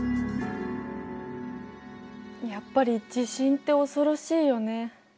やっぱり地震って恐ろしいよね。